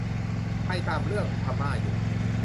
ใครตามเรื่อง พม่า อยู่